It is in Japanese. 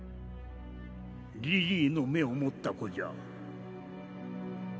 リリーの目を持った子じゃ∈